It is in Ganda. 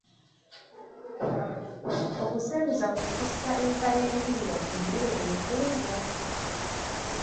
Okuseruza kwe kussa enva endiirwa ku mmere efumbwa.